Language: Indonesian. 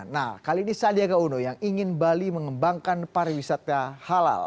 nah kali ini sandiaga uno yang ingin bali mengembangkan pariwisata halal